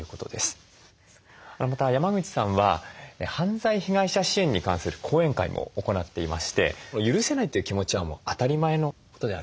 また山口さんは犯罪被害者支援に関する講演会も行っていまして許せないという気持ちは当たり前のことであると。